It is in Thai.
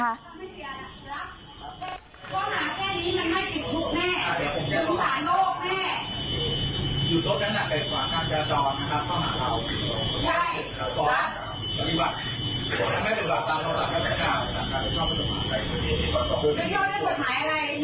แน่ใจเหรอว่าเป็นตำรวจแน่ใจเหรอว่าเป็นตำรวจ